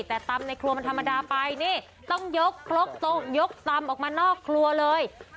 แต่ตำในครัวมันธรรมดาไปนี่ต้องยกครกยกตำออกมานอกครัวเลย